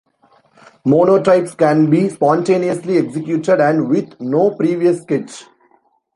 Monotypes can be spontaneously executed and with no previous sketch.